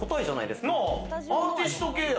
アーティスト系や！